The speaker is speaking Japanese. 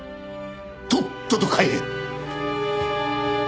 とっとと帰れ！